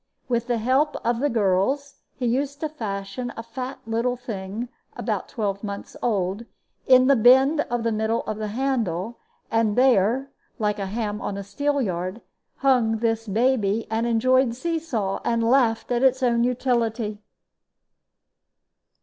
With the help of the girls he used to fasten a fat little thing, about twelve months old, in the bend at the middle of the handle, and there (like a ham on the steelyard) hung this baby and enjoyed seesaw, and laughed at its own utility.